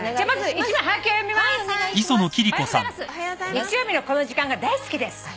日曜日のこの時間が大好きです」